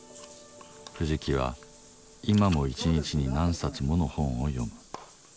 藤木は今も一日に何冊もの本を読む。